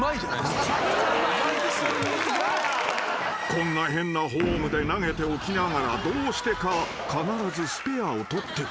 ［こんな変なフォームで投げておきながらどうしてか必ずスペアを取ってくる］